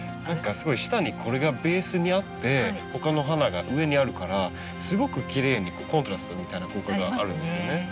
何かすごい下にこれがベースにあって他の花が上にあるからすごくきれいにコントラストみたいな効果があるんですよね。